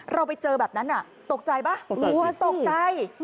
เราไปเจอแบบนั้นตกใจไหมรัวสิตกใจ